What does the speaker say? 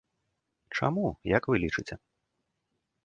Чаму, як вы лічыце?